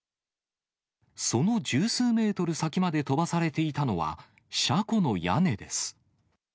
その十数メートル先まで飛ばされていたのは、車庫の屋根です。